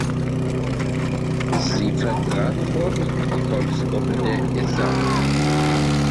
Sie vertrat vorwiegend die Volksgruppe der Issa.